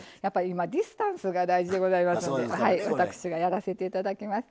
今ディスタンスが大事でございますので私がやらせて頂きます。